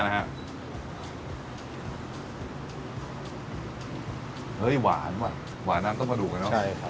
เฮ้ยหวานว่ะหวานน้ำต้องมาดูกันเนอะ